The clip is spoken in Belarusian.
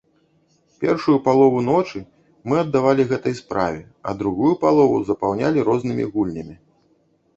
Першую палову ночы мы аддавалі гэтай справе, а другую палову запаўнялі рознымі гульнямі.